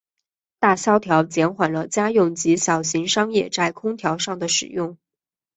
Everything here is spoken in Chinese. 大萧条减缓了家用及小型商业在空调上的使用。